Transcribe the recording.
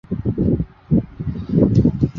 凹睾棘缘吸虫为棘口科棘缘属的动物。